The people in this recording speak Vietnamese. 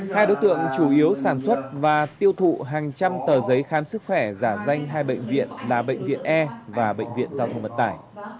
hai đối tượng chủ yếu sản xuất và tiêu thụ hàng trăm tờ giấy khám sức khỏe giả danh hai bệnh viện là bệnh viện e và bệnh viện giao thông vận tải